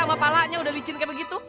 sama palanya udah licin kayak begitu